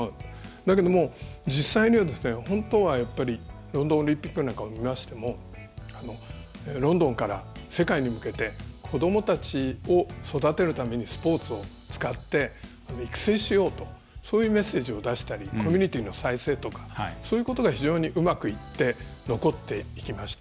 だけども、実際には本当はロンドンオリンピックなんかを見ましても、ロンドンから世界に向けて子どもたちを育てるためにスポーツを使って育成しようとそういうメッセージを出したりコミュニティーの再生とかそういうことが非常にうまくいって残っていきました。